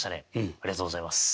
ありがとうございます。